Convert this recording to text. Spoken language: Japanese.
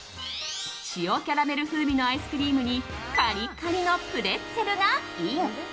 塩キャラメル風味のアイスクリームにカリカリのプレッツェルがイン。